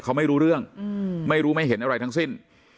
เขาไม่รู้เรื่องไม่รู้ไม่เห็นอะไรทั้งสิ้น